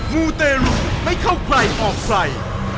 มูเตรุไม่เข้าใครออกใคร